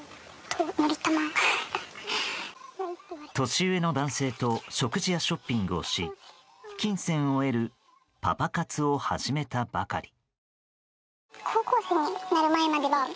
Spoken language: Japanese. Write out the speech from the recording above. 年上の男性と食事やショッピングをし金銭を得るパパ活を始めたばかり。